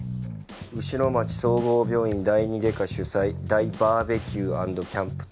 「牛ノ町総合病院第二外科主催大バーベキュー＆キャンプ大会」だって。